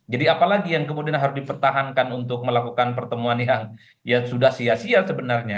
jadi apalagi yang kemudian harus dipertahankan untuk melakukan pertemuan yang ya sudah sia sia sebenarnya